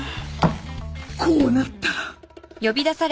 こうなったら。